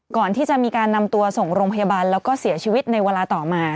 ก่อนที่จะมีการนำตัวส่งโรงพยาบาลแล้วก็เสียชีวิตในเวลาต่อมา